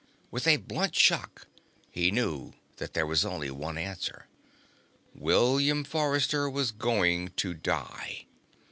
With a blunt shock he knew that there was only one answer. William Forrester was going to die.